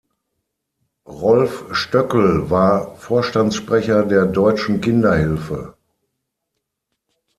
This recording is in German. Rolf Stöckel war Vorstandssprecher der Deutschen Kinderhilfe.